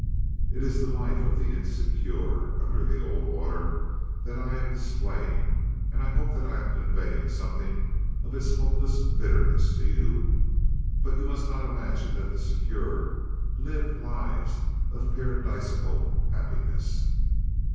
It is the life of the Insecure under the old order that I am displaying, and I hope that I am conveying something of its hopeless bitterness to you, but you must not imagine that the Secure lived lives of paradisiacal happiness.